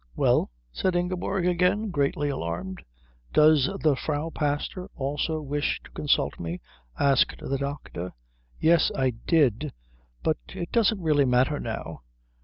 "Well?" said Ingeborg again, greatly alarmed. "Does the Frau Pastor also wish to consult me?" asked the doctor. "Yes. I did. But it doesn't really matter now.